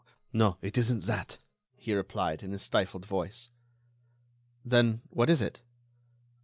"No, it isn't that," he replied, in a stifled voice. "Then, what is it?"